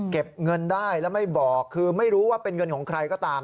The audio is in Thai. เก็บเงินได้แล้วไม่บอกคือไม่รู้ว่าเป็นเงินของใครก็ตาม